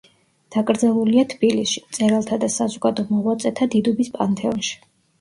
დაკრძალულია თბილისში, მწერალთა და საზოგადო მოღვაწეთა დიდუბის პანთეონში.